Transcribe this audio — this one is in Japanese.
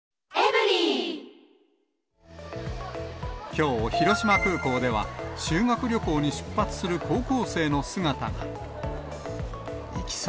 きょう、広島空港では、修学旅行に出発する高校生の姿が。